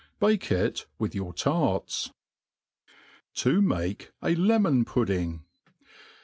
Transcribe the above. Bake* it with your tarts. To make a Lemetf Pudding.